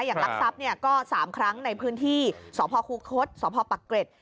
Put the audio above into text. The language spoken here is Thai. อย่างลักษัพเนี่ยก็๓ครั้งในพื้นที่สคุคศสปักเกร็จ